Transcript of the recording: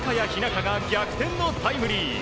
香が逆転のタイムリー。